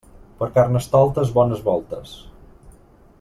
Per Carnestoltes, bones voltes.